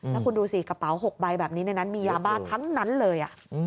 แล้วคุณดูสิกระเป๋า๖ใบแบบนี้ในนั้นมียาบ้าทั้งนั้นเลย